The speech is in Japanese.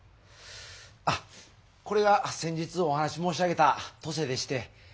あっこれが先日お話し申し上げた登勢でして。